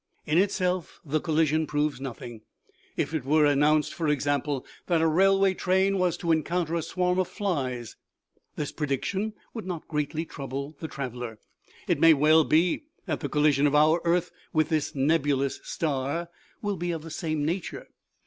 In itself the collision proves nothing. If it were an nounced, for example, that a railway train was to en counter a swarm of flies, this prediction would not greatly trouble the traveller. It may well be that the collision of our earth with this nebulous star will be of the same nature.